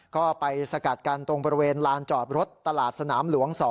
ก็ไปสกัดกันตรงบริเวณลานจอดรถตลาดสนามหลวง๒